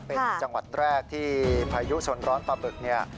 เป็นจังหวัดแรกที่พายุสนร้อนปลาบึกเนี่ย